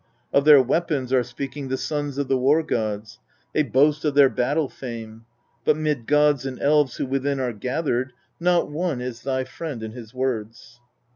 2. Of their weapons are speaking the sons of the war gods, they boast of their battle fame ; but 'mid gods and elves who within are gathered, not one is thy friend in his words.